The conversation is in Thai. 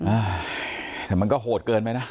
อ่าแต่มันก็โหดเกินไปนะ